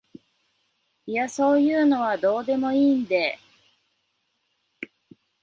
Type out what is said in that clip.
いやそういうのはどうでもいいんで